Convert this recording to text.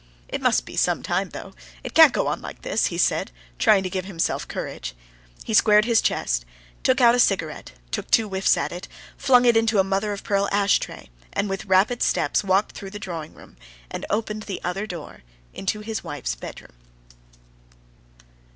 "It must be some time, though: it can't go on like this," he said, trying to give himself courage. He squared his chest, took out a cigarette, took two whiffs at it, flung it into a mother of pearl ashtray, and with rapid steps walked through the drawing room, and opened the other door into his wife's bedroom.